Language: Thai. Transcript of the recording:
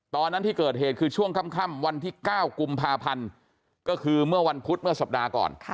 ตอนนั้นที่เกิดเหตุคือช่วงค่ำวันที่๙กุมภาพันธ์ก็คือเมื่อวันพุธเมื่อสัปดาห์ก่อน